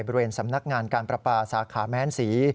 บริเวณสำนักงานการประปาสาขาแม้นศรี